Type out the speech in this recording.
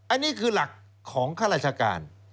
อันนี้คือหลักของข้าราชการ